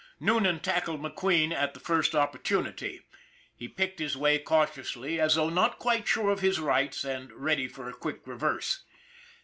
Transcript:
Noonan tackled McQueen at the first opportunity. 280 ON THE IRON AT BIG CLOUD He picked his way cautiously as though not quite sure of his rights and ready for a quick reverse.